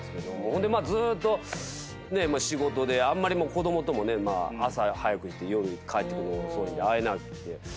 ほんでずーっと仕事であんまり子供ともね朝早く行って夜帰ってくるのが遅いんで会えなくて。